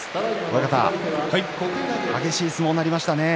親方、激しい相撲になりましたね。